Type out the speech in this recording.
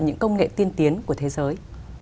những công nghệ tiên tiến của thế giới